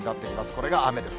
これが雨です。